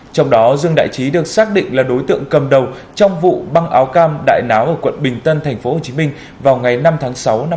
trong đó dương đại trí được xác định là đối tượng cầm đầu trong vụ băng áo cam đại náo ở quận bình tân tp hcm vào ngày năm tháng sáu năm hai nghìn hai mươi ba